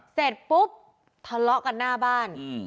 เสร็จปุ๊บทะเลาะกันหน้าบ้าน